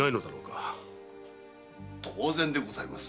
当然でございます。